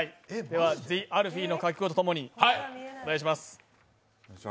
「ＴＨＥＡＬＦＥＥ」のかけ声とともにお願いします。